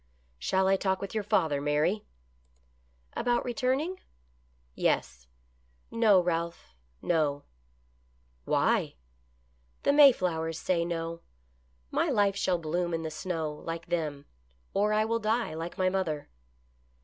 " Shall I talk with your father, Mary ?" THE pilgrims' EASTER LILY. I l6 " About returning? " "Yes." " No, Ralph, no." " Why ?"" The Mayflowers say no. My life shall bloom in the snow, like them, or I will die, like my mother."